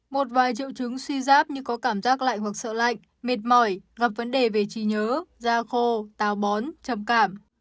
một vài triệu chứng suy giáp như có cảm giác lại hoặc sợ lạnh mệt mỏi gặp vấn đề về trí nhớ da khô tào bón trầm cảm